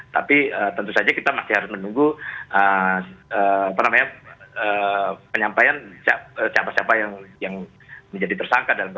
tapi tentu saja kita masih harus menunggu penyampaian siapa siapa yang menjadi tersangka